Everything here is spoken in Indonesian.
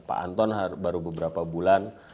pak anton baru beberapa bulan